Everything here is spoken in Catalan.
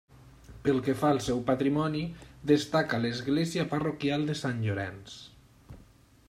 Pel que fa al seu patrimoni, destaca l'església parroquial de Sant Llorenç.